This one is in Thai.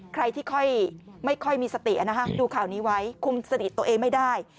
ใครที่ไม่ค่อยมีสติดูข่าวนี้ไว้คุมสติตัวเองไม่ได้